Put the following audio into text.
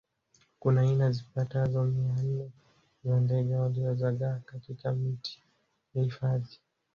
kuna aina zipatazo mia nne za ndege waliozagaa katika miti ya hifadhi